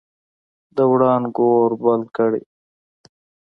د وړانګو اور بل کړي